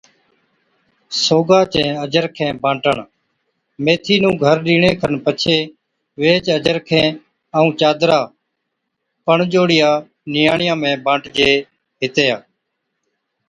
سوگا چين اجرکين بانٽڻ، ميٿِي نُون گھر ڏيڻي کن پڇي ويھِچ اجرکين ائُون چادرا پڻجوڙِيا نِياڻِيا ۾ بانٽجي ھِتِيا